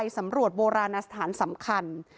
สำรวจโบราณสถานสำคัญ